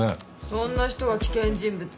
そんな人が危険人物？